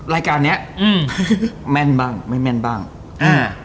รายการเนี้ยอืมแม่นบ้างไม่แม่นบ้างอ่า